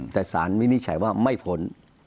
แต่สารวินิจฉัยว่าไม่พ้น